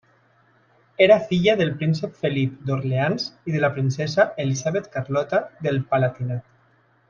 Era filla del príncep Felip d'Orleans i de la princesa Elisabet Carlota del Palatinat.